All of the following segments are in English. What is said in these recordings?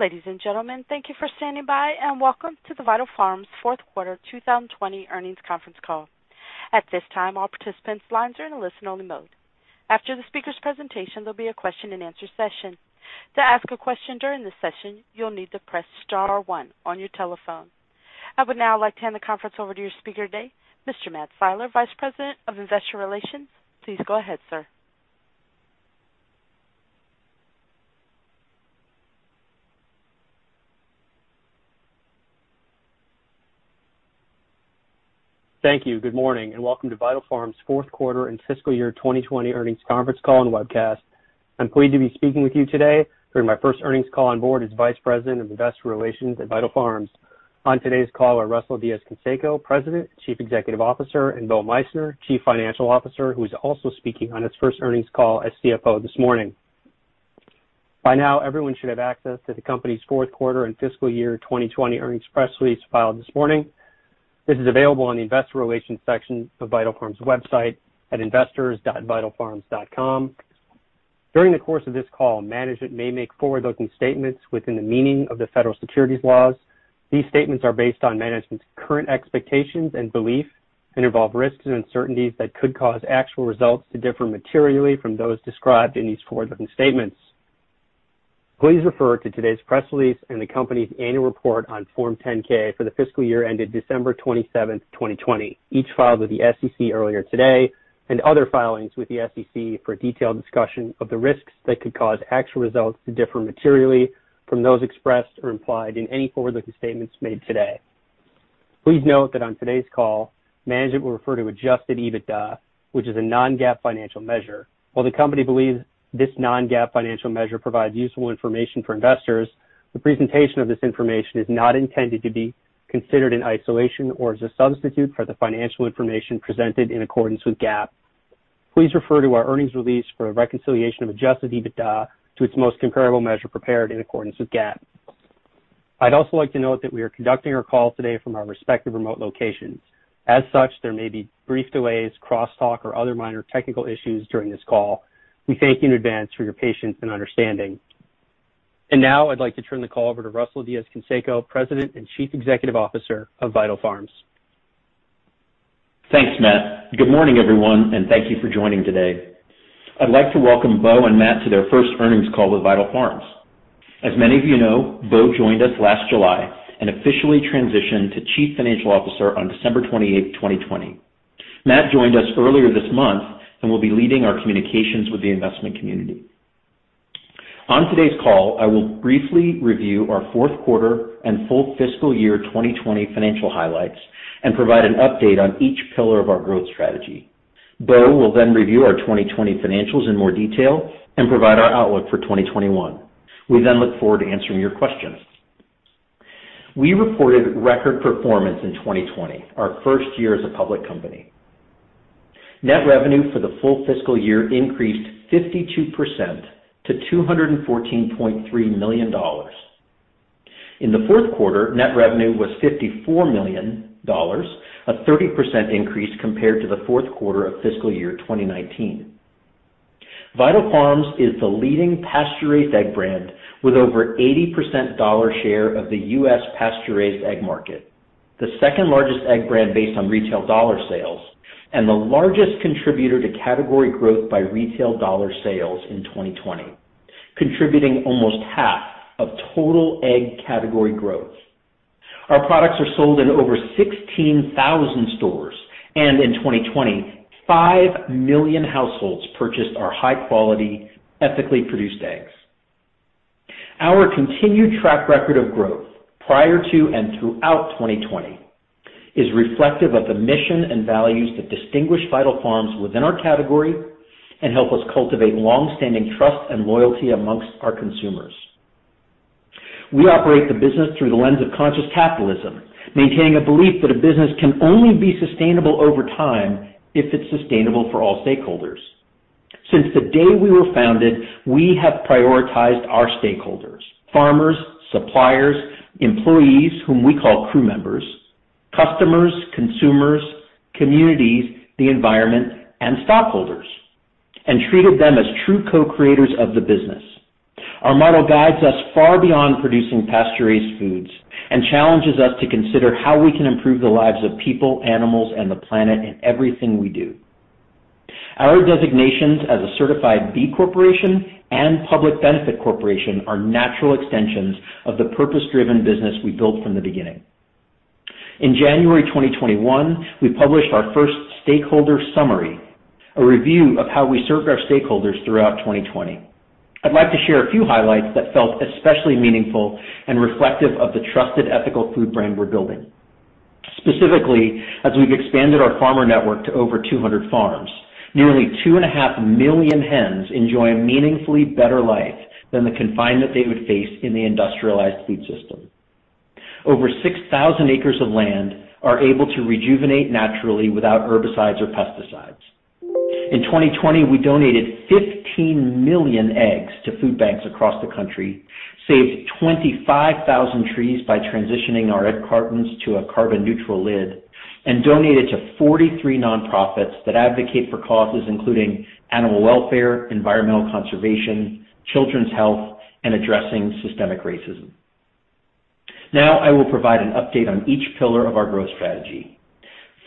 Ladies and gentlemen, thank you for standing by, welcome to the Vital Farms fourth quarter 2020 earnings conference call. At this time, all participants' lines are in a listen-only mode. After the speakers' presentation, there'll be a question and answer session. To ask a question during the session, you'll need to press star one on your telephone. I would now like to hand the conference over to your speaker today, Mr. Matt Siler, Vice President of Investor Relations. Please go ahead, sir. Thank you. Good morning, and welcome to Vital Farms' fourth quarter and fiscal year 2020 earnings conference call and webcast. I'm pleased to be speaking with you today during my first earnings call on board as Vice President of Investor Relations at Vital Farms. On today's call are Russell Diez-Canseco, President, Chief Executive Officer, and Bo Meissner, Chief Financial Officer, who is also speaking on his first earnings call as CFO this morning. By now, everyone should have access to the company's fourth quarter and fiscal year 2020 earnings press release filed this morning. This is available on the investor relations section of Vital Farms' website at investors.vitalfarms.com. During the course of this call, management may make forward-looking statements within the meaning of the federal securities laws. These statements are based on management's current expectations and belief and involve risks and uncertainties that could cause actual results to differ materially from those described in these forward-looking statements. Please refer to today's press release and the company's annual report on Form 10-K for the fiscal year ended December 27th, 2020, each filed with the SEC earlier today, and other filings with the SEC for a detailed discussion of the risks that could cause actual results to differ materially from those expressed or implied in any forward-looking statements made today. Please note that on today's call, management will refer to adjusted EBITDA, which is a non-GAAP financial measure. While the company believes this non-GAAP financial measure provides useful information for investors, the presentation of this information is not intended to be considered in isolation or as a substitute for the financial information presented in accordance with GAAP. Please refer to our earnings release for a reconciliation of adjusted EBITDA to its most comparable measure prepared in accordance with GAAP. I'd also like to note that we are conducting our call today from our respective remote locations. As such, there may be brief delays, crosstalk, or other minor technical issues during this call. We thank you in advance for your patience and understanding. Now I'd like to turn the call over to Russell Diez-Canseco, President and Chief Executive Officer of Vital Farms. Thanks, Matt. Good morning, everyone, and thank you for joining today. I'd like to welcome Bo and Matt to their first earnings call with Vital Farms. As many of you know, Bo joined us last July and officially transitioned to Chief Financial Officer on December 28th, 2020. Matt joined us earlier this month and will be leading our communications with the investment community. On today's call, I will briefly review our fourth quarter and full fiscal year 2020 financial highlights and provide an update on each pillar of our growth strategy. Bo will review our 2020 financials in more detail and provide our outlook for 2021. We look forward to answering your questions. We reported record performance in 2020, our first year as a public company. Net revenue for the full fiscal year increased 52% to $214.3 million. In the fourth quarter, net revenue was $54 million, a 30% increase compared to the fourth quarter of fiscal year 2019. Vital Farms is the leading pasture-raised egg brand with over 80% dollar share of the U.S. pasture-raised egg market, the second-largest egg brand based on retail dollar sales, and the largest contributor to category growth by retail dollar sales in 2020, contributing almost half of total egg category growth. Our products are sold in over 16,000 stores, and in 2020, 5 million households purchased our high-quality, ethically produced eggs. Our continued track record of growth prior to and throughout 2020 is reflective of the mission and values that distinguish Vital Farms within our category and help us cultivate longstanding trust and loyalty amongst our consumers. We operate the business through the lens of conscious capitalism, maintaining a belief that a business can only be sustainable over time if it's sustainable for all stakeholders. Since the day we were founded, we have prioritized our stakeholders, farmers, suppliers, employees, whom we call crew members, customers, consumers, communities, the environment, and stockholders, and treated them as true co-creators of the business. Our model guides us far beyond producing pasture-raised foods and challenges us to consider how we can improve the lives of people, animals, and the planet in everything we do. Our designations as a certified B Corporation and public benefit corporation are natural extensions of the purpose-driven business we built from the beginning. In January 2021, we published our first Stakeholder Summary, a review of how we served our stakeholders throughout 2020. I'd like to share a few highlights that felt especially meaningful and reflective of the trusted ethical food brand we're building. Specifically, as we've expanded our farmer network to over 200 farms, nearly 2.5 million hens enjoy a meaningfully better life than the confinement they would face in the industrialized food system. Over 6,000 acres of land are able to rejuvenate naturally without herbicides or pesticides. In 2020, we donated 15 million eggs to food banks across the country, saved 25,000 trees by transitioning our egg cartons to a carbon-neutral lid. Donated to 43 nonprofits that advocate for causes including animal welfare, environmental conservation, children's health, and addressing systemic racism. Now I will provide an update on each pillar of our growth strategy.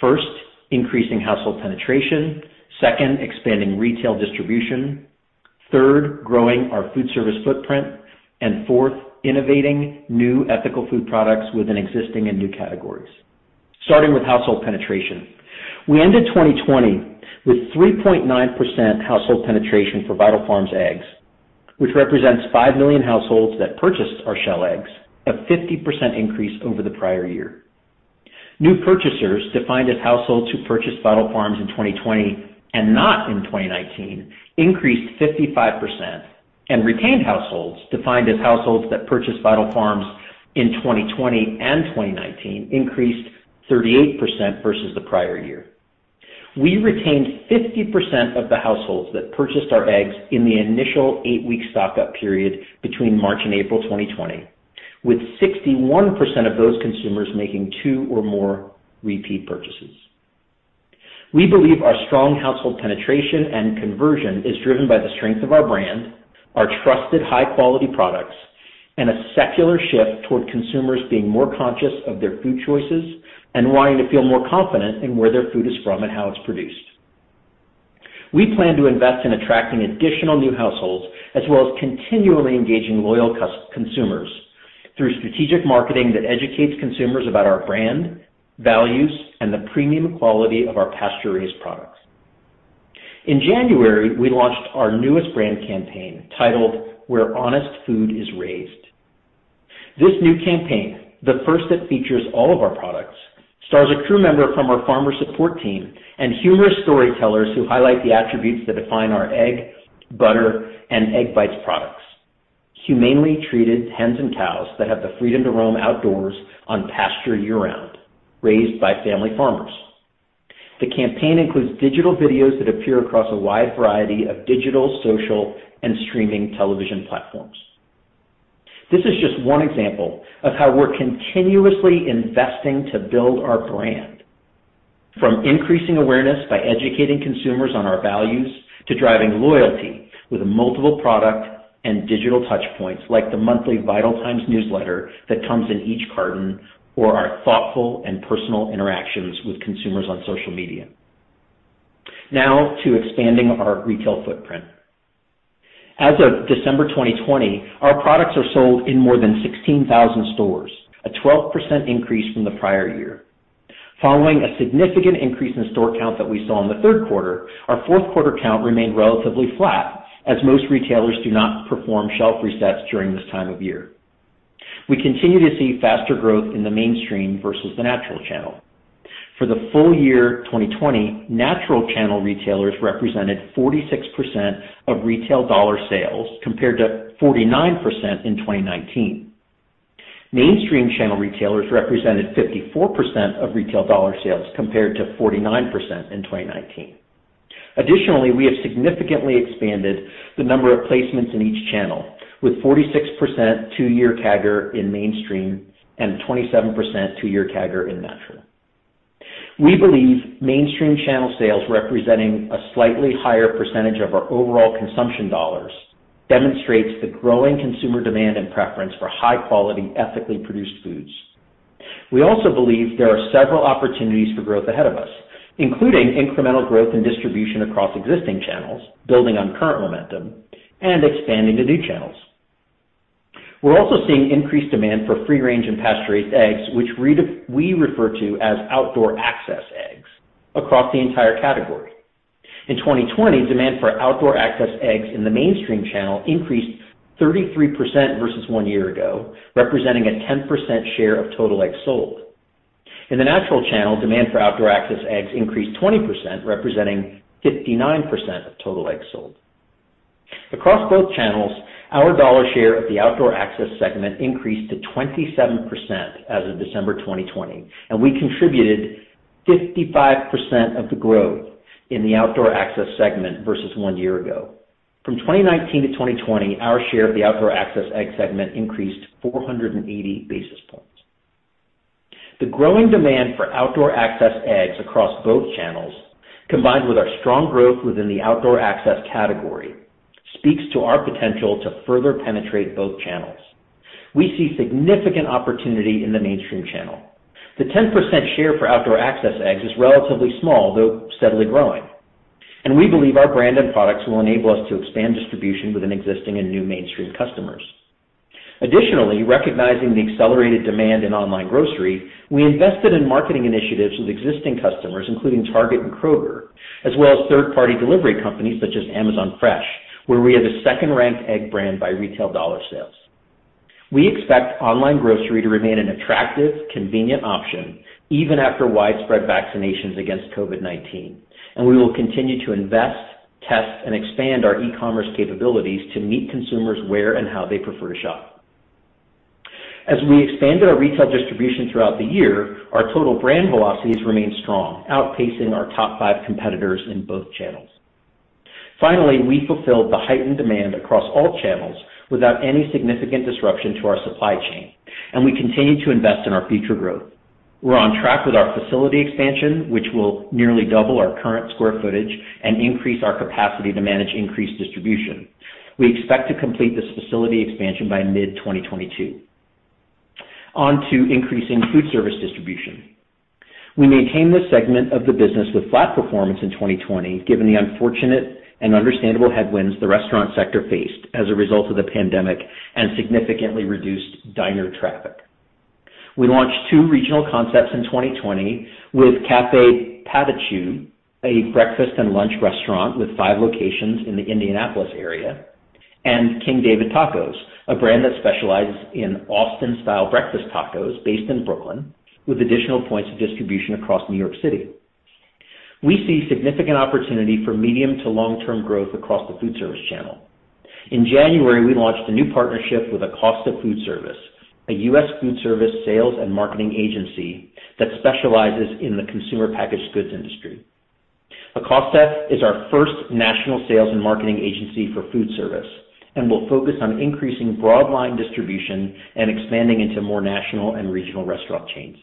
First, increasing household penetration. Second, expanding retail distribution. Third, growing our food service footprint. Fourth, innovating new ethical food products within existing and new categories. Starting with household penetration. We ended 2020 with 3.9% household penetration for Vital Farms eggs, which represents 5 million households that purchased our shell eggs, a 50% increase over the prior year. New purchasers, defined as households who purchased Vital Farms in 2020 and not in 2019, increased 55%, and retained households, defined as households that purchased Vital Farms in 2020 and 2019, increased 38% versus the prior year. We retained 50% of the households that purchased our eggs in the initial eight-week stock-up period between March and April 2020, with 61% of those consumers making two or more repeat purchases. We believe our strong household penetration and conversion is driven by the strength of our brand, our trusted, high-quality products, and a secular shift toward consumers being more conscious of their food choices and wanting to feel more confident in where their food is from and how it's produced. We plan to invest in attracting additional new households as well as continually engaging loyal consumers through strategic marketing that educates consumers about our brand, values, and the premium quality of our pasture-raised products. In January, we launched our newest brand campaign titled Where Honest Food is Raised. This new campaign, the first that features all of our products, stars a crew member from our farmer support team and humorous storytellers who highlight the attributes that define our egg, butter, and Egg Bites products. Humanely treated hens and cows that have the freedom to roam outdoors on pasture year-round, raised by family farmers. The campaign includes digital videos that appear across a wide variety of digital, social, and streaming television platforms. This is just one example of how we're continuously investing to build our brand, from increasing awareness by educating consumers on our values to driving loyalty with multiple product and digital touchpoints like the monthly Vital Times newsletter that comes in each carton or our thoughtful and personal interactions with consumers on social media. Now to expanding our retail footprint. As of December 2020, our products are sold in more than 16,000 stores, a 12% increase from the prior year. Following a significant increase in store count that we saw in the third quarter, our fourth quarter count remained relatively flat as most retailers do not perform shelf resets during this time of year. We continue to see faster growth in the mainstream versus the natural channel. For the full year 2020, natural channel retailers represented 46% of retail dollar sales, compared to 49% in 2019. Mainstream channel retailers represented 54% of retail dollar sales, compared to 49% in 2019. Additionally, we have significantly expanded the number of placements in each channel, with 46% two-year CAGR in mainstream and 27% two-year CAGR in natural. We believe mainstream channel sales representing a slightly higher percentage of our overall consumption dollars demonstrates the growing consumer demand and preference for high-quality, ethically produced foods. We also believe there are several opportunities for growth ahead of us, including incremental growth and distribution across existing channels, building on current momentum, and expanding to new channels. We're also seeing increased demand for free-range and pasture-raised eggs, which we refer to as outdoor-access eggs, across the entire category. In 2020, demand for outdoor-access eggs in the mainstream channel increased 33% versus one year ago, representing a 10% share of total eggs sold. In the natural channel, demand for outdoor-access eggs increased 20%, representing 59% of total eggs sold. Across both channels, our dollar share of the outdoor-access segment increased to 27% as of December 2020, and we contributed 55% of the growth in the outdoor-access segment versus one year ago. From 2019 to 2020, our share of the outdoor-access egg segment increased 480 basis points. The growing demand for outdoor-access eggs across both channels, combined with our strong growth within the outdoor-access category, speaks to our potential to further penetrate both channels. We see significant opportunity in the mainstream channel. The 10% share for outdoor-access eggs is relatively small, though steadily growing. We believe our brand and products will enable us to expand distribution with an existing and new mainstream customers. Recognizing the accelerated demand in online grocery, we invested in marketing initiatives with existing customers, including Target and Kroger, as well as third-party delivery companies such as Amazon Fresh, where we are the second-ranked egg brand by retail dollar sales. We expect online grocery to remain an attractive, convenient option even after widespread vaccinations against COVID-19. We will continue to invest, test, and expand our e-commerce capabilities to meet consumers where and how they prefer to shop. As we expanded our retail distribution throughout the year, our total brand velocities remained strong, outpacing our top five competitors in both channels. Finally, we fulfilled the heightened demand across all channels without any significant disruption to our supply chain, and we continue to invest in our future growth. We're on track with our facility expansion, which will nearly double our current square footage and increase our capacity to manage increased distribution. We expect to complete this facility expansion by mid-2022. On to increasing food service distribution. We maintained this segment of the business with flat performance in 2020, given the unfortunate and understandable headwinds the restaurant sector faced as a result of the pandemic and significantly reduced diner traffic. We launched two regional concepts in 2020 with Cafe Patachou, a breakfast and lunch restaurant with five locations in the Indianapolis area, and King David Tacos, a brand that specializes in Austin-style breakfast tacos based in Brooklyn, with additional points of distribution across New York City. We see significant opportunity for medium to long-term growth across the food service channel. In January, we launched a new partnership with Acosta Foodservice, a U.S. food service sales and marketing agency that specializes in the consumer packaged goods industry. Acosta is our first national sales and marketing agency for food service and will focus on increasing broad line distribution and expanding into more national and regional restaurant chains.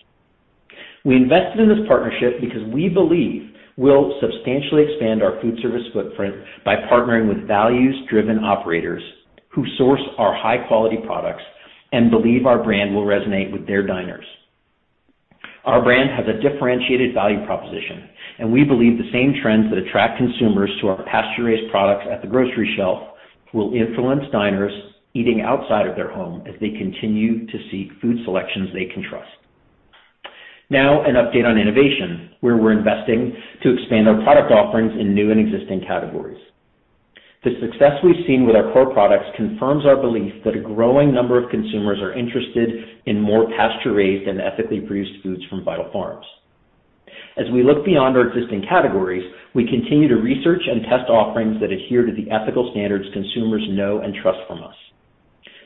We invested in this partnership because we believe we'll substantially expand our food service footprint by partnering with values-driven operators who source our high-quality products and believe our brand will resonate with their diners. Our brand has a differentiated value proposition, and we believe the same trends that attract consumers to our pasture-raised products at the grocery shelf will influence diners eating outside of their home as they continue to seek food selections they can trust. Now, an update on innovation, where we're investing to expand our product offerings in new and existing categories. The success we've seen with our core products confirms our belief that a growing number of consumers are interested in more pasture-raised and ethically produced foods from Vital Farms. As we look beyond our existing categories, we continue to research and test offerings that adhere to the ethical standards consumers know and trust from us.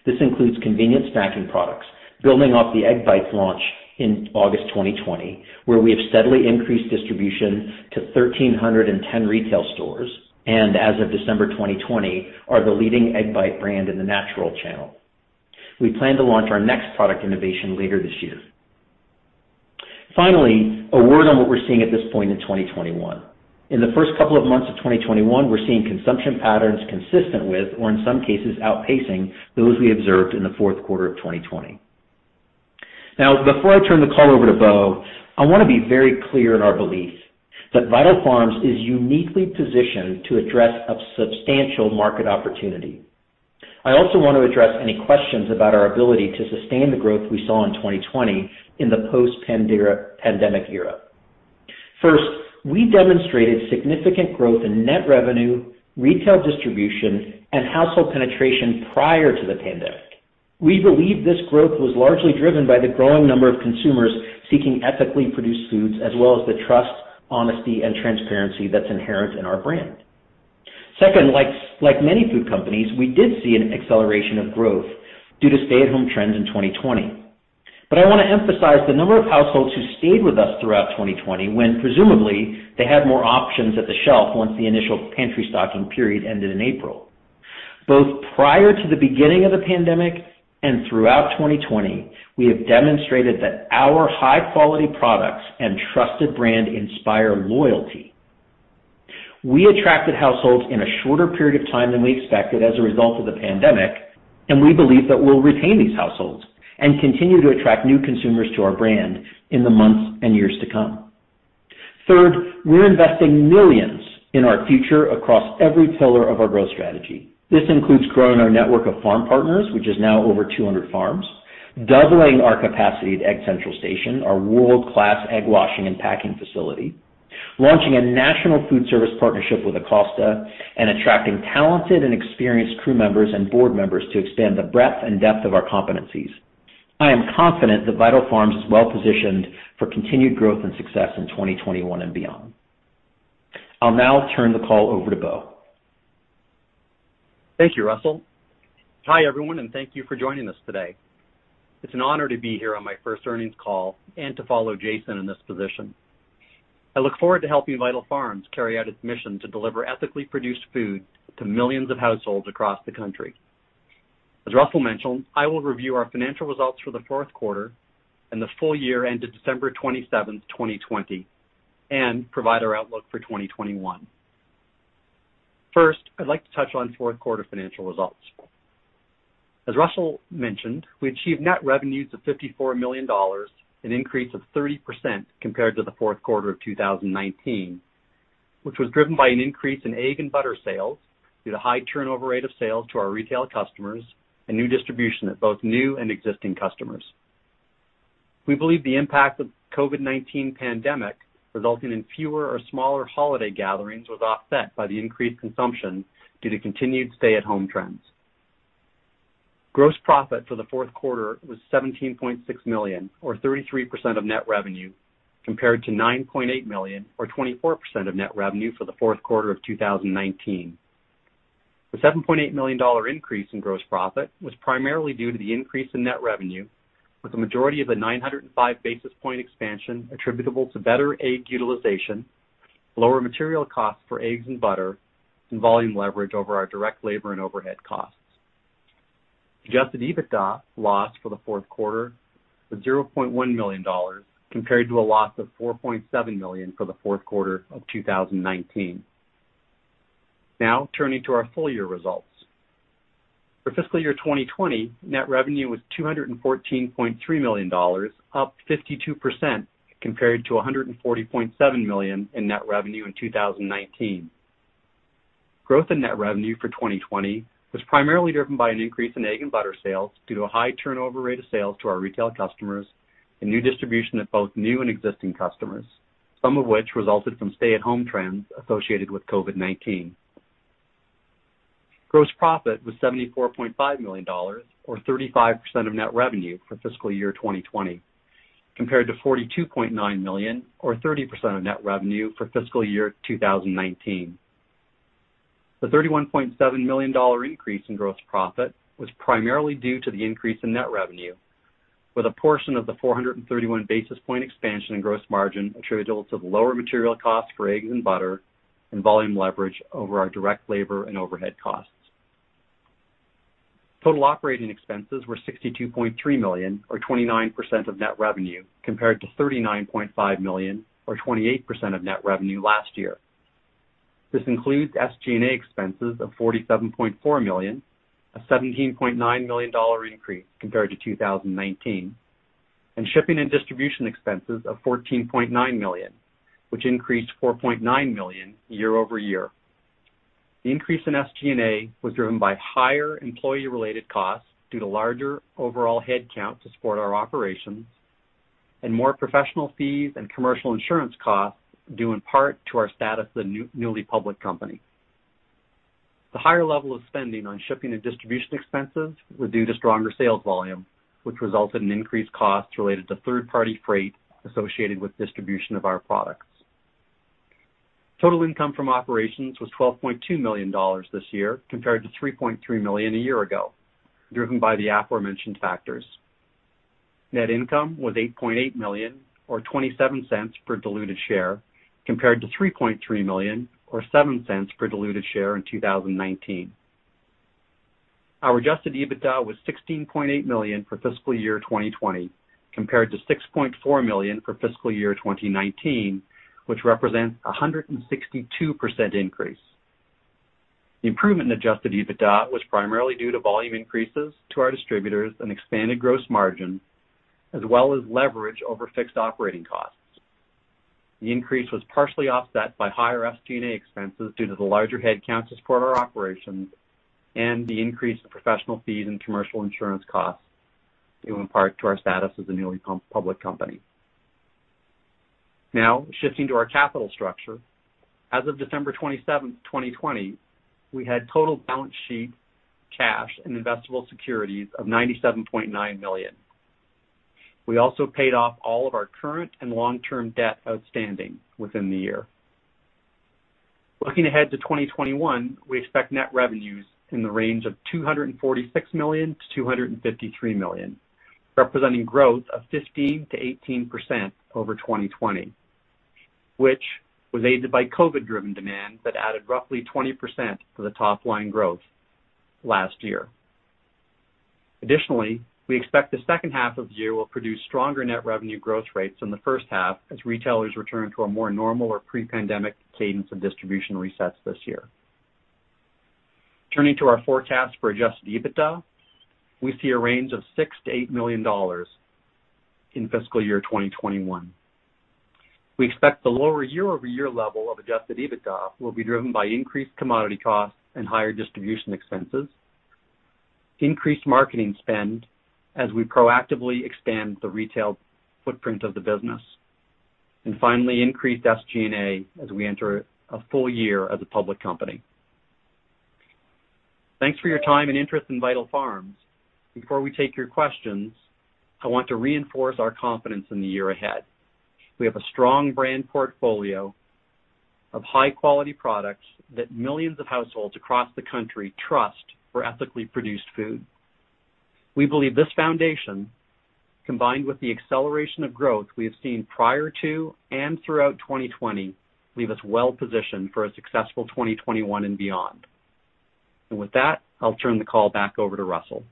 This includes convenient snacking products, building off the Egg Bites launch in August 2020, where we have steadily increased distribution to 1,310 retail stores, and as of December 2020, are the leading egg bite brand in the natural channel. We plan to launch our next product innovation later this year. Finally, a word on what we're seeing at this point in 2021. In the first couple of months of 2021, we're seeing consumption patterns consistent with, or in some cases outpacing, those we observed in the fourth quarter of 2020. Now, before I turn the call over to Bo, I want to be very clear in our belief that Vital Farms is uniquely positioned to address a substantial market opportunity. I also want to address any questions about our ability to sustain the growth we saw in 2020 in the post-pandemic era. First, we demonstrated significant growth in net revenue, retail distribution, and household penetration prior to the pandemic. We believe this growth was largely driven by the growing number of consumers seeking ethically produced foods, as well as the trust, honesty, and transparency that's inherent in our brand. Second, like many food companies, we did see an acceleration of growth due to stay-at-home trends in 2020. I want to emphasize the number of households who stayed with us throughout 2020 when presumably they had more options at the shelf once the initial pantry stocking period ended in April. Both prior to the beginning of the pandemic and throughout 2020, we have demonstrated that our high-quality products and trusted brand inspire loyalty. We attracted households in a shorter period of time than we expected as a result of the pandemic, and we believe that we'll retain these households and continue to attract new consumers to our brand in the months and years to come. Third, we're investing millions in our future across every pillar of our growth strategy. This includes growing our network of farm partners, which is now over 200 farms, doubling our capacity at Egg Central Station, our world-class egg washing and packing facility, launching a national foodservice partnership with Acosta, and attracting talented and experienced crew members and board members to expand the breadth and depth of our competencies. I am confident that Vital Farms is well positioned for continued growth and success in 2021 and beyond. I'll now turn the call over to Bo. Thank you, Russell. Hi, everyone, and thank you for joining us today. It's an honor to be here on my first earnings call and to follow Jason in this position. I look forward to helping Vital Farms carry out its mission to deliver ethically produced food to millions of households across the country. As Russell mentioned, I will review our financial results for the fourth quarter and the full year ended December 27th, 2020, and provide our outlook for 2021. First, I'd like to touch on fourth quarter financial results. As Russell mentioned, we achieved net revenues of $54 million, an increase of 30% compared to the fourth quarter of 2019, which was driven by an increase in egg and butter sales due to high turnover rate of sales to our retail customers and new distribution at both new and existing customers. We believe the impact of COVID-19 pandemic resulting in fewer or smaller holiday gatherings was offset by the increased consumption due to continued stay-at-home trends. Gross profit for the fourth quarter was $17.6 million, or 33% of net revenue, compared to $9.8 million, or 24% of net revenue for the fourth quarter of 2019. The $7.8 million increase in gross profit was primarily due to the increase in net revenue, with the majority of the 905 basis point expansion attributable to better egg utilization, lower material costs for eggs and butter, and volume leverage over our direct labor and overhead costs. Adjusted EBITDA loss for the fourth quarter was $0.1 million, compared to a loss of $4.7 million for the fourth quarter of 2019. Now turning to our full year results. For fiscal year 2020, net revenue was $214.3 million, up 52%, compared to $140.7 million in net revenue in 2019. Growth in net revenue for 2020 was primarily driven by an increase in egg and butter sales due to a high turnover rate of sales to our retail customers and new distribution of both new and existing customers, some of which resulted from stay-at-home trends associated with COVID-19. Gross profit was $74.5 million, or 35% of net revenue for fiscal year 2020, compared to $42.9 million or 30% of net revenue for fiscal year 2019. The $31.7 million increase in gross profit was primarily due to the increase in net revenue, with a portion of the 431 basis point expansion in gross margin attributable to lower material costs for eggs and butter and volume leverage over our direct labor and overhead costs. Total operating expenses were $62.3 million, or 29% of net revenue, compared to $39.5 million or 28% of net revenue last year. This includes SG&A expenses of $47.4 million, a $17.9 million increase compared to 2019, and shipping and distribution expenses of $14.9 million, which increased $4.9 million year-over-year. The increase in SG&A was driven by higher employee-related costs due to larger overall headcount to support our operations and more professional fees and commercial insurance costs, due in part to our status as a newly public company. The higher level of spending on shipping and distribution expenses was due to stronger sales volume, which resulted in increased costs related to third-party freight associated with distribution of our products. Total income from operations was $12.2 million this year compared to $3.3 million a year ago, driven by the aforementioned factors. Net income was $8.8 million or $0.27 per diluted share compared to $3.3 million or $0.07 per diluted share in 2019. Our adjusted EBITDA was $16.8 million for fiscal year 2020 compared to $6.4 million for fiscal year 2019, which represents 162% increase. The improvement in adjusted EBITDA was primarily due to volume increases to our distributors and expanded gross margin, as well as leverage over fixed operating costs. The increase was partially offset by higher SG&A expenses due to the larger headcounts to support our operations and the increase in professional fees and commercial insurance costs, due in part to our status as a newly public company. Shifting to our capital structure. As of December 27, 2020, we had total balance sheet cash and investable securities of $97.9 million. We also paid off all of our current and long-term debt outstanding within the year. Looking ahead to 2021, we expect net revenues in the range of $246 million-$253 million, representing growth of 15%-18% over 2020, which was aided by COVID-driven demand that added roughly 20% to the top-line growth last year. Additionally, we expect the second half of the year will produce stronger net revenue growth rates than the first half as retailers return to a more normal or pre-pandemic cadence of distribution resets this year. Turning to our forecast for adjusted EBITDA, we see a range of $6 million-$8 million in fiscal year 2021. We expect the lower year-over-year level of adjusted EBITDA will be driven by increased commodity costs and higher distribution expenses, increased marketing spend as we proactively expand the retail footprint of the business, and finally, increased SG&A as we enter a full year as a public company. Thanks for your time and interest in Vital Farms. Before we take your questions, I want to reinforce our confidence in the year ahead. We have a strong brand portfolio of high-quality products that millions of households across the country trust for ethically produced food. We believe this foundation, combined with the acceleration of growth we have seen prior to and throughout 2020, leave us well-positioned for a successful 2021 and beyond. With that, I'll turn the call back over to Russell.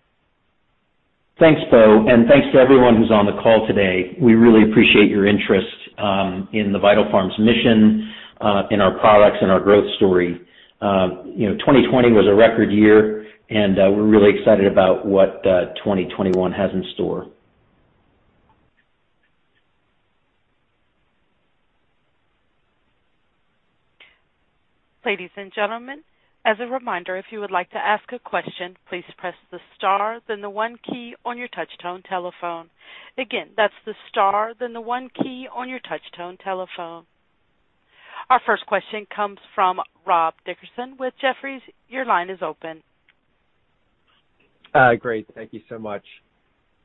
Thanks, Bo. Thanks to everyone who's on the call today. We really appreciate your interest in the Vital Farms mission, in our products, and our growth story. 2020 was a record year. We're really excited about what 2021 has in store. Ladies and gentlemen, as a reminder, if you would like to ask a question, please press the star then the one key on your touchtone telephone. Again, that's the star then the one key on your touchtone telephone. Our first question comes from Rob Dickerson with Jefferies. Your line is open. Great. Thank you so much.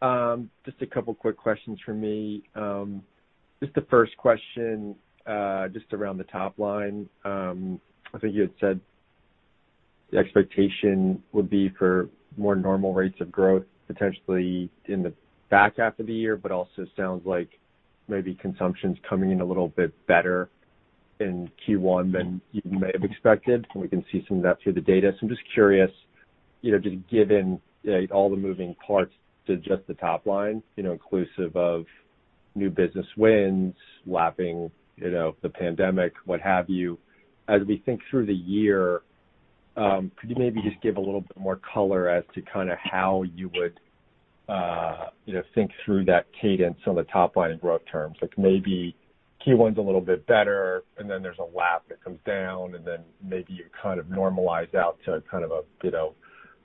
A couple quick questions from me. The first question, just around the top line. I think you had said the expectation would be for more normal rates of growth potentially in the back half of the year. Also sounds like maybe consumption's coming in a little bit better in Q1 than you may have expected, and we can see some of that through the data. I'm just curious, just given all the moving parts to just the top line, inclusive of new business wins, lapping the pandemic, what have you, as we think through the year, could you maybe just give a little bit more color as to kind of how you would think through that cadence on the top line in growth terms? Like maybe Q1's a little bit better, then there's a lap that comes down, then maybe you kind of normalize out to kind of a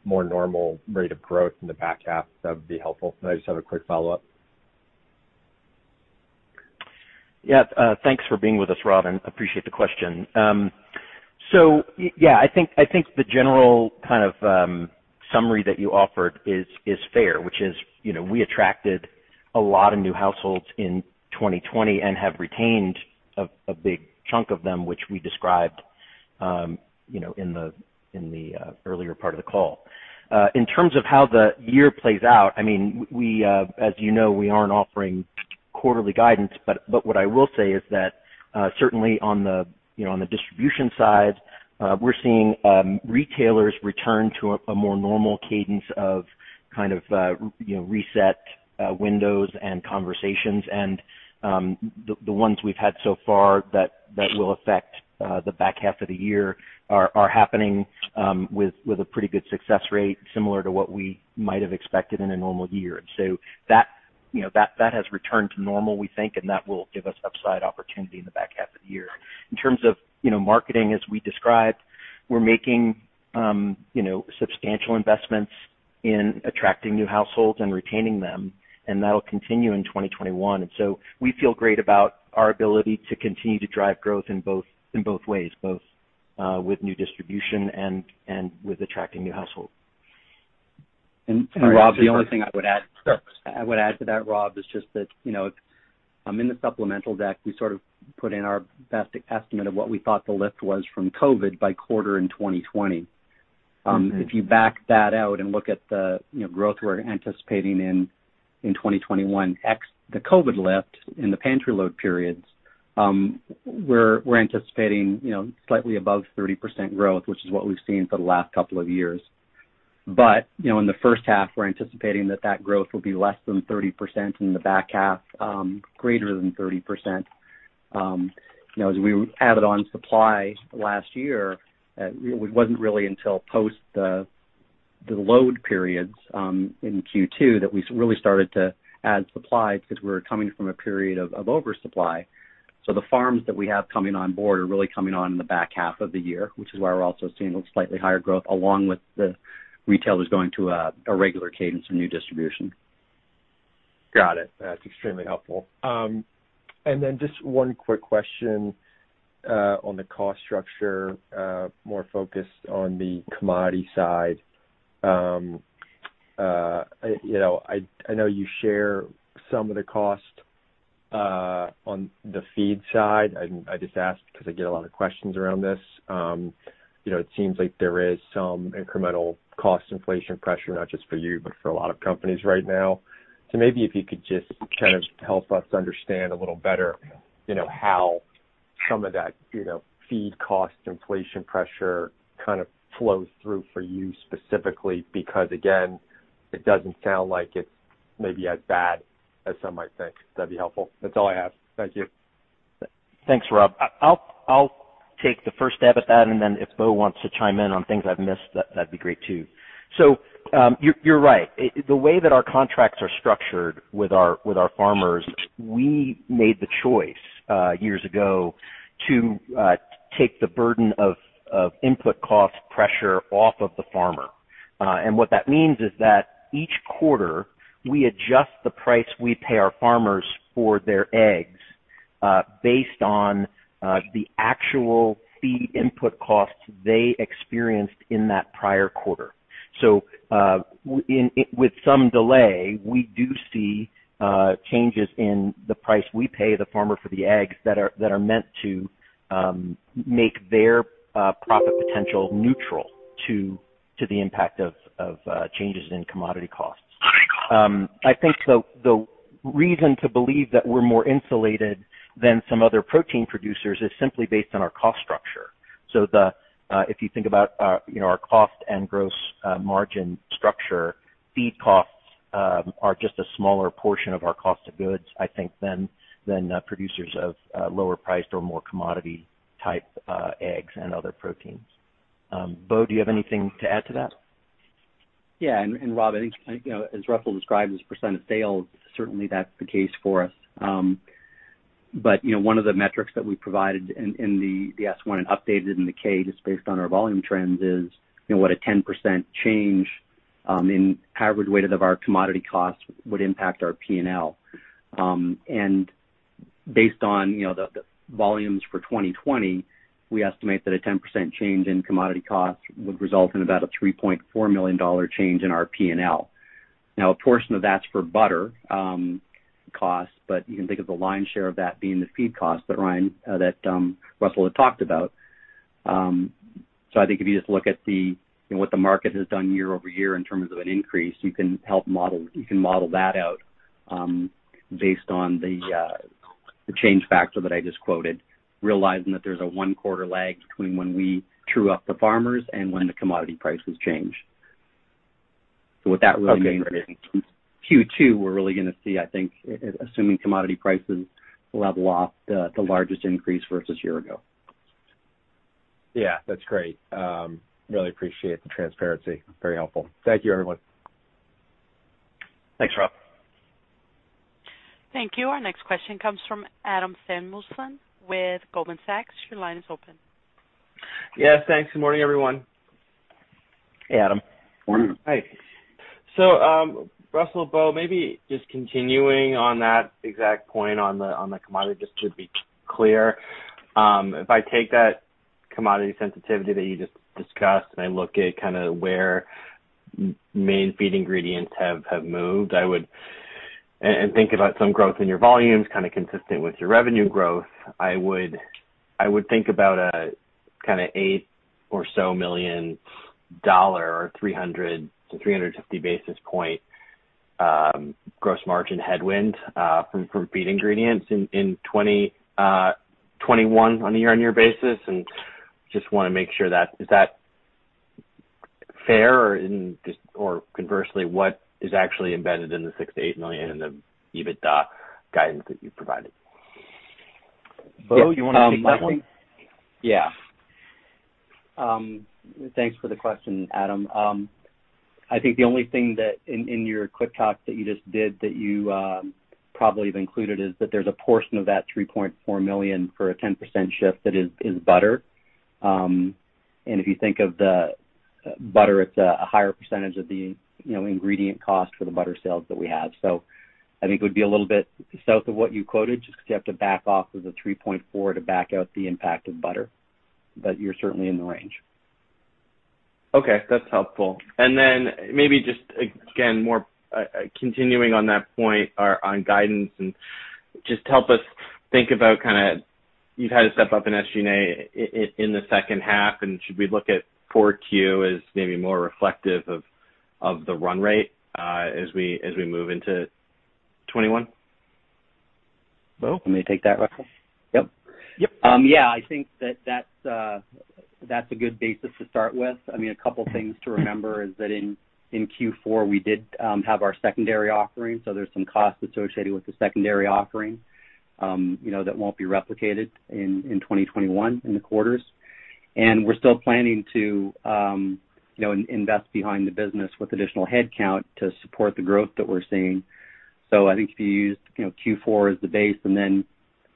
more normal rate of growth in the back half. That would be helpful. I just have a quick follow-up. Yeah. Thanks for being with us, Rob, and appreciate the question. Yeah, I think the general kind of summary that you offered is fair, which is we attracted a lot of new households in 2020 and have retained a big chunk of them, which we described in the earlier part of the call. In terms of how the year plays out, as you know, we aren't offering quarterly guidance, but what I will say is that certainly on the distribution side, we're seeing retailers return to a more normal cadence of kind of reset windows and conversations. The ones we've had so far that will affect the back half of the year are happening with a pretty good success rate, similar to what we might have expected in a normal year. That has returned to normal, we think, and that will give us upside opportunity in the back half of the year. In terms of marketing, as we described, we're making substantial investments in attracting new households and retaining them, and that'll continue in 2021. We feel great about our ability to continue to drive growth in both ways, both with new distribution and with attracting new households. Rob, the only thing I would add. Sure I would add to that, Rob, is just that in the supplemental deck, we sort of put in our best estimate of what we thought the lift was from COVID by quarter in 2020. If you back that out and look at the growth we're anticipating in 2021, ex the COVID lift in the pantry load periods, we're anticipating slightly above 30% growth, which is what we've seen for the last couple of years. In the first half, we're anticipating that that growth will be less than 30%, in the back half, greater than 30%. As we added on supply last year, it wasn't really until post the load periods in Q2 that we really started to add supply because we were coming from a period of oversupply. The farms that we have coming on board are really coming on in the back half of the year, which is why we're also seeing slightly higher growth, along with the retailers going to a regular cadence of new distribution. Got it. That's extremely helpful. Then just one quick question on the cost structure, more focused on the commodity side. I know you share some of the cost on the feed side. I just ask because I get a lot of questions around this. It seems like there is some incremental cost inflation pressure, not just for you, but for a lot of companies right now. Maybe if you could just kind of help us understand a little better how some of that feed cost inflation pressure kind of flows through for you specifically, because again, it doesn't sound like it's maybe as bad as some might think. That'd be helpful. That's all I have. Thank you. Thanks, Rob. I'll take the first stab at that, and then if Bo wants to chime in on things I've missed, that'd be great too. You're right. The way that our contracts are structured with our farmers, we made the choice years ago to take the burden of input cost pressure off of the farmer. What that means is that each quarter, we adjust the price we pay our farmers for their eggs based on the actual feed input costs they experienced in that prior quarter. With some delay, we do see changes in the price we pay the farmer for the eggs that are meant to make their profit potential neutral to the impact of changes in commodity costs. I think the reason to believe that we're more insulated than some other protein producers is simply based on our cost structure. If you think about our cost and gross margin structure, feed costs are just a smaller portion of our cost of goods, I think, than producers of lower priced or more commodity type eggs and other proteins. Bo, do you have anything to add to that? Yeah. Rob, I think as Russell described, as a % of sales, certainly that's the case for us. One of the metrics that we provided in the S-1 and updated in the K, just based on our volume trends is what a 10% change in average weighted of our commodity costs would impact our P&L. Based on the volumes for 2020, we estimate that a 10% change in commodity costs would result in about a $3.4 million change in our P&L. Now, a portion of that's for butter costs, you can think of the lion's share of that being the feed cost that Russell had talked about. I think if you just look at what the market has done year-over-year in terms of an increase, you can model that out based on the change factor that I just quoted, realizing that there's a one-quarter lag between when we true-up the farmers and when the commodity prices change. Okay, great. Q2, we're really going to see, I think, assuming commodity prices level off, the largest increase versus year ago. Yeah, that's great. Really appreciate the transparency. Very helpful. Thank you, everyone. Thanks, Rob. Thank you. Our next question comes from Adam Samuelson with Goldman Sachs. Your line is open. Yes, thanks. Good morning, everyone. Hey, Adam. Morning. Hi. Russell, Bo, maybe just continuing on that exact point on the commodity, just to be clear. If I take that commodity sensitivity that you just discussed, and I look at where main feed ingredients have moved, and think about some growth in your volumes consistent with your revenue growth, I would think about an $8 million or so or 300 basis point-350 basis point gross margin headwind from feed ingredients in 2021 on a year-on-year basis. Just want to make sure, is that fair? Or conversely, what is actually embedded in the $6 million-$8 million in the EBITDA guidance that you've provided? Bo, you want to take that one? Yeah. Thanks for the question, Adam. I think the only thing that in your quick talk that you just did that you probably have included is that there's a portion of that $3.4 million for a 10% shift that is butter. If you think of the butter, it's a higher percentage of the ingredient cost for the butter sales that we have. I think it would be a little bit south of what you quoted, just because you have to back off of the $3.4 to back out the impact of butter. You're certainly in the range. Okay, that's helpful. Maybe just, again, continuing on that point on guidance and just help us think about, you've had a step-up in SG&A in the second half, and should we look at 4Q as maybe more reflective of the run rate as we move into 2021? Want me to take that, Russell? Yep. Yeah, I think that's a good basis to start with. A couple things to remember is that in Q4, we did have our secondary offering, so there's some costs associated with the secondary offering that won't be replicated in 2021 in the quarters. We're still planning to invest behind the business with additional headcount to support the growth that we're seeing. I think if you used Q4 as the base and then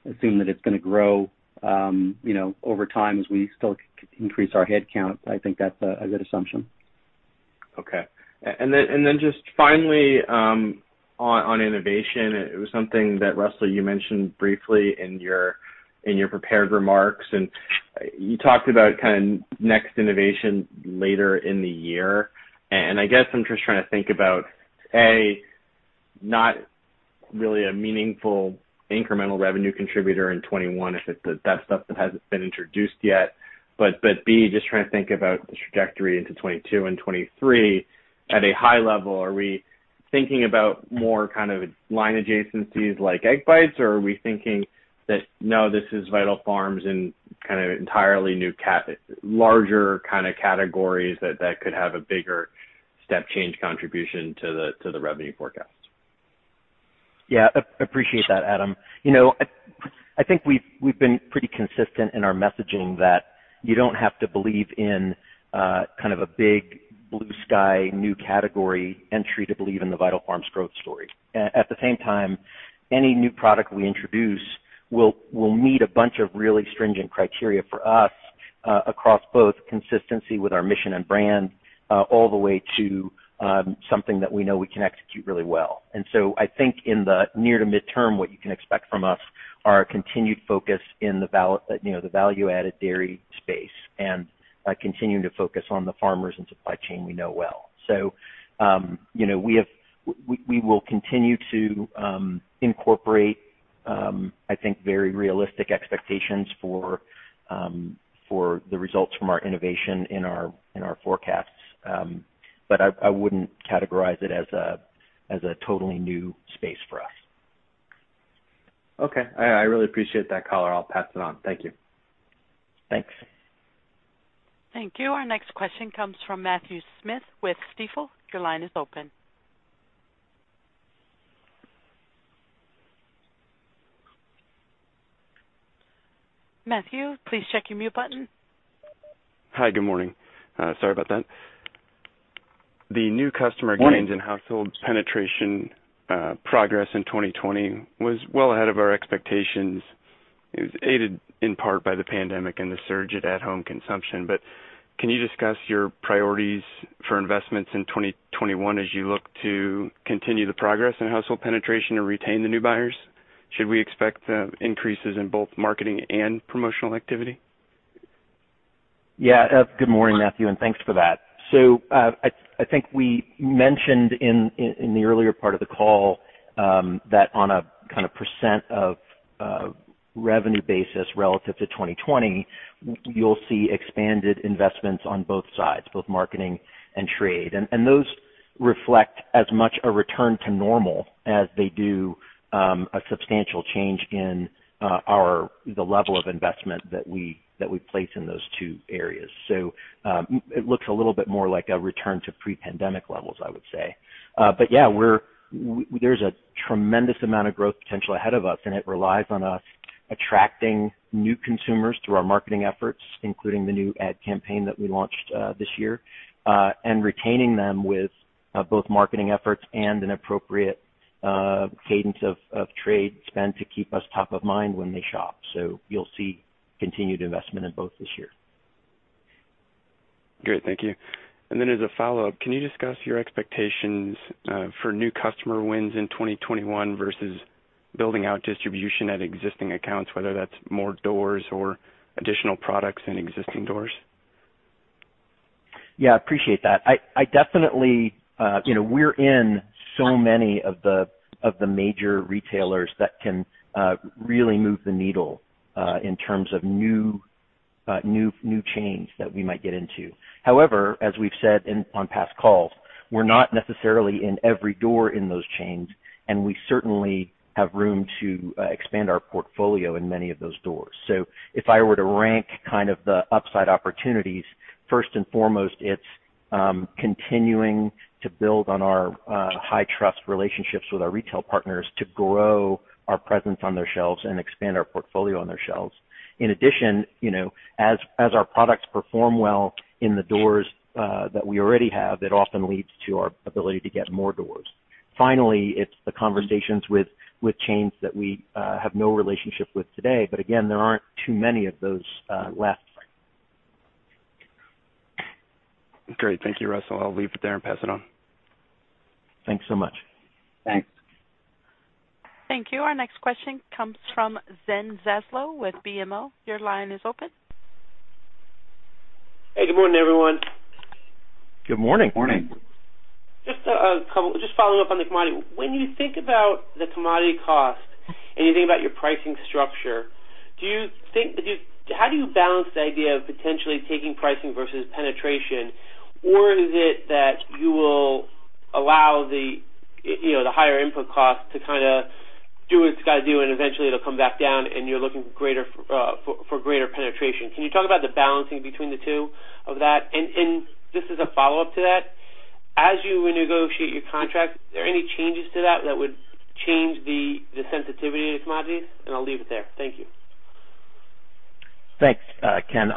assume that it's going to grow over time as we still increase our headcount, I think that's a good assumption. Okay. Just finally, on innovation, it was something that, Russell, you mentioned briefly in your prepared remarks, and you talked about next innovation later in the year. I guess I'm just trying to think about, A, not really a meaningful incremental revenue contributor in 2021 if that's stuff that hasn't been introduced yet. B, just trying to think about the trajectory into 2022 and 2023. At a high level, are we thinking about more line adjacencies like Egg Bites, or are we thinking that, no, this is Vital Farms and entirely larger categories that could have a bigger step-change contribution to the revenue forecast? Yeah. Appreciate that, Adam. I think we've been pretty consistent in our messaging that you don't have to believe in a big blue sky new category entry to believe in the Vital Farms growth story. At the same time, any new product we introduce will meet a bunch of really stringent criteria for us across both consistency with our mission and brand, all the way to something that we know we can execute really well. I think in the near to midterm, what you can expect from us are a continued focus in the value-added dairy space and continuing to focus on the farmers and supply chain we know well. We will continue to incorporate, I think, very realistic expectations for the results from our innovation in our forecasts. I wouldn't categorize it as a totally new space for us. Okay. I really appreciate that color. I'll pass it on. Thank you. Thanks. Thank you. Our next question comes from Matthew Smith with Stifel. Your line is open. Matthew, please check your mute button. Hi, good morning. Sorry about that. Morning. The new customer gains and household penetration progress in 2020 was well ahead of our expectations. It was aided in part by the pandemic and the surge at at-home consumption. Can you discuss your priorities for investments in 2021 as you look to continue the progress in household penetration and retain the new buyers? Should we expect increases in both marketing and promotional activity? Yeah. Good morning, Matthew, and thanks for that. I think we mentioned in the earlier part of the call that on a percent of revenue basis relative to 2020, you'll see expanded investments on both sides, both marketing and trade. Those reflect as much a return to normal as they do a substantial change in the level of investment that we place in those two areas. It looks a little bit more like a return to pre-pandemic levels, I would say. Yeah, there's a tremendous amount of growth potential ahead of us, and it relies on us attracting new consumers through our marketing efforts, including the new ad campaign that we launched this year, and retaining them with both marketing efforts and an appropriate cadence of trade spend to keep us top of mind when they shop. You'll see continued investment in both this year. Great. Thank you. As a follow-up, can you discuss your expectations for new customer wins in 2021 versus building out distribution at existing accounts, whether that's more doors or additional products in existing doors? Yeah, appreciate that. We're in so many of the major retailers that can really move the needle in terms of new chains that we might get into. As we've said on past calls, we're not necessarily in every door in those chains, and we certainly have room to expand our portfolio in many of those doors. If I were to rank kind of the upside opportunities, first and foremost, it's continuing to build on our high-trust relationships with our retail partners to grow our presence on their shelves and expand our portfolio on their shelves. As our products perform well in the doors that we already have, it often leads to our ability to get more doors. It's the conversations with chains that we have no relationship with today, but again, there aren't too many of those left. Great. Thank you, Russell. I'll leave it there and pass it on. Thanks so much. Thanks. Thank you. Our next question comes from Ken Zaslow with BMO. Your line is open. Hey, good morning, everyone. Good morning. Morning. Just following up on the commodity. When you think about the commodity cost and you think about your pricing structure, how do you balance the idea of potentially taking pricing versus penetration? Is it that you will allow the higher input cost to kind of do what it's got to do, and eventually it'll come back down and you're looking for greater penetration? Can you talk about the balancing between the two of that? This is a follow-up to that. As you renegotiate your contract, are there any changes to that that would change the sensitivity to commodities? I'll leave it there. Thank you. Thanks, Ken.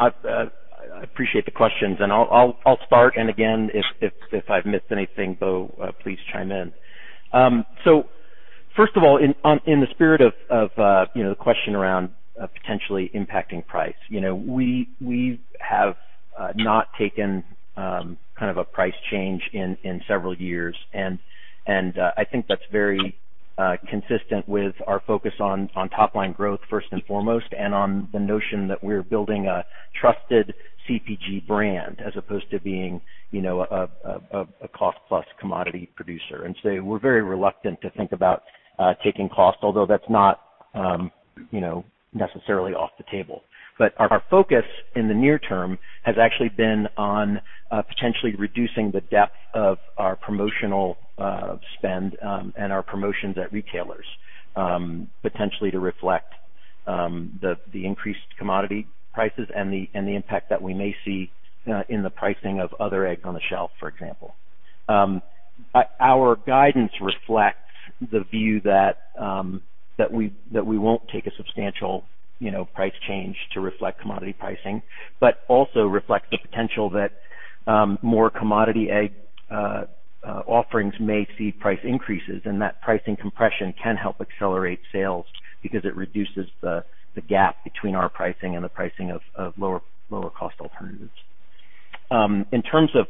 I appreciate the questions and I'll start, and again, if I've missed anything, Bo, please chime in. First of all, in the spirit of the question around potentially impacting price, we have not taken a price change in several years. I think that's very consistent with our focus on top-line growth first and foremost. On the notion that we're building a trusted CPG brand as opposed to being a cost-plus commodity producer. We're very reluctant to think about taking cost, although that's not necessarily off the table. Our focus in the near term has actually been on potentially reducing the depth of our promotional spend and our promotions at retailers, potentially to reflect the increased commodity prices and the impact that we may see in the pricing of other egg on the shelf, for example. Our guidance reflects the view that we won't take a substantial price change to reflect commodity pricing, also reflects the potential that more commodity egg offerings may see price increases, pricing compression can help accelerate sales because it reduces the gap between our pricing and the pricing of lower cost alternatives. In terms of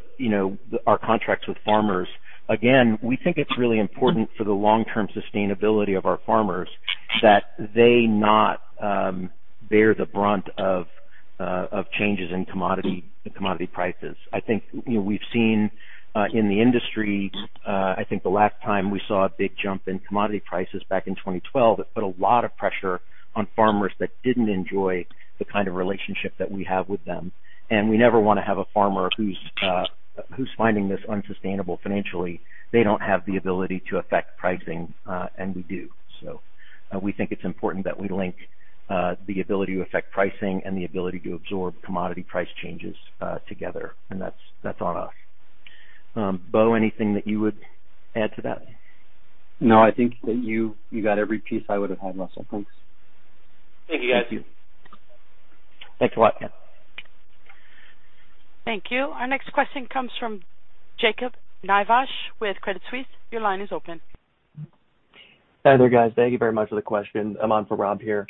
our contracts with farmers, again, we think it's really important for the long-term sustainability of our farmers that they not bear the brunt of changes in commodity prices. I think we've seen in the industry, I think the last time we saw a big jump in commodity prices back in 2012, it put a lot of pressure on farmers that didn't enjoy the kind of relationship that we have with them. We never want to have a farmer who's finding this unsustainable financially. They don't have the ability to affect pricing, and we do. We think it's important that we link the ability to affect pricing and the ability to absorb commodity price changes together, and that's on us. Bo, anything that you would add to that? No, I think that you got every piece I would have had, Russell. Thanks. Thank you, guys. Thank you. Thanks a lot. Thank you. Our next question comes from Jacob Nivasch with Credit Suisse. Your line is open. Hi there, guys. Thank you very much for the question. I'm on for Rob here.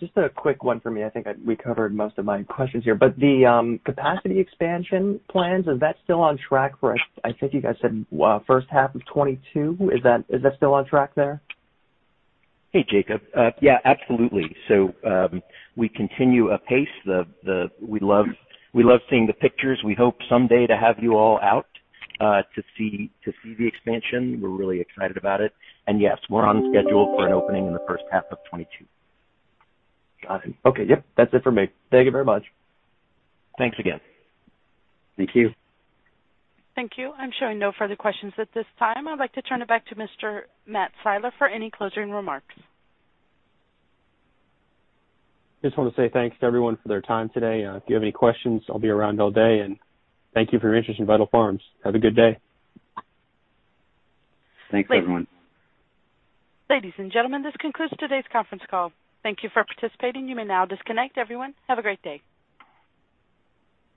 Just a quick one for me. I think we covered most of my questions here, but the capacity expansion plans, is that still on track for, I think you guys said first half of 2022? Is that still on track there? Hey, Jacob. Yeah, absolutely. We continue apace. We love seeing the pictures. We hope someday to have you all out to see the expansion. We're really excited about it. Yes, we're on schedule for an opening in the first half of 2022. Got it. Okay. Yep, that's it for me. Thank you very much. Thanks again. Thank you. Thank you. I'm showing no further questions at this time. I'd like to turn it back to Mr. Matt Siler for any closing remarks. Just want to say thanks to everyone for their time today. If you have any questions, I'll be around all day. Thank you for your interest in Vital Farms. Have a good day. Thanks, everyone. Ladies and gentlemen, this concludes today's conference call. Thank you for participating. You may now disconnect everyone. Have a great day.